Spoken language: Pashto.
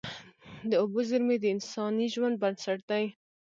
د اوبو زیرمې د انساني ژوند بنسټ دي.